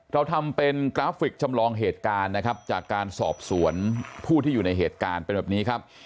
เราทำเป็นกราฟิกจำลองเหตุการณ์นะครับจากการสอบสวนผู้ที่อยู่ในเหตุการณ์เป็นแบบนี้ครับ